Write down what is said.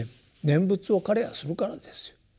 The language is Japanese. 念仏を彼がするからですよ。